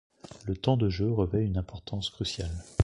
Le temps de jeu revêt une importance cruciale.